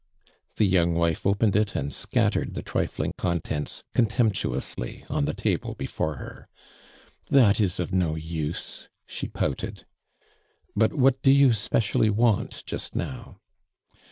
• The young wife opened it and scattered the trifling contents contemptuously on the table before her. "That is of no use," she pouted. '•But what do you specially want just now?"